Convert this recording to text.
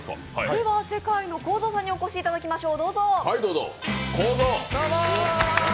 では世界のこーぞーさんにお越しいただきましょう。